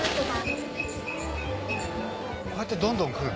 こうやってどんどん来る？